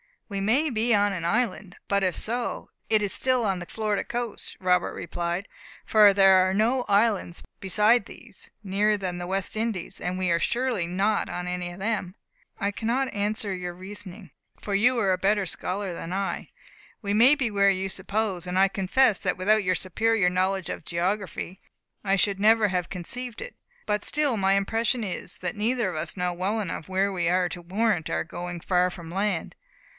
"We may be on an island; but if so, it is still on the Florida coast," Robert replied, "for there are no islands beside these, nearer than the West Indies, and we are surely not on any of them." Harold shook his head. "I cannot answer your reasoning, for you are a better scholar than I. We may be where you suppose; and I confess that without your superior knowledge of geography I should never have conceived it; but still my impression is, that neither of us know well enough where we are to warrant our going far from land.